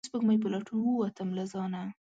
د سپوږمۍ په لټون ووتم له ځانه